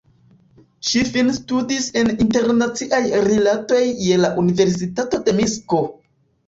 Ŝi finstudis en internaciaj rilatoj je la Universitato de Minsko.